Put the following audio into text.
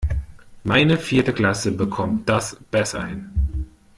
Meine vierte Klasse bekommt das besser hin.